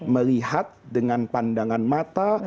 melihat dengan pandangan mata